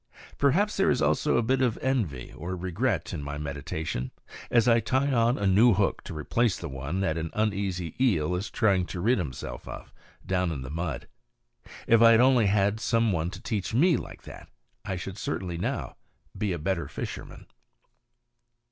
Perhaps there is also a bit of envy or regret in my meditation as I tie on a new hook to replace the one that an uneasy eel is trying to rid himself of, down in the mud. If I had only had some one to teach me like that, I should certainly now be a better fisherman.